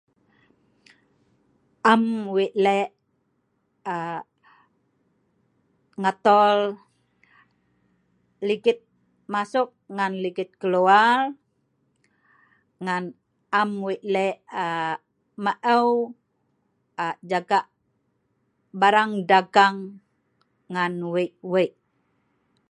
Am wei le’ aa.. ngatol ligit masuk ngan ligit kelwar ngan am wei le’ aa.. maeu aa…barang dagang ngan wei-wei